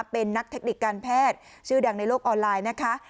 เป็นนักเทคนิคการแพทย์ชื่อดังในโลกออนไลน์นะคะ